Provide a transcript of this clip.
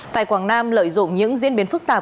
tại quảng nam lợi dụng những diễn biến phức tạp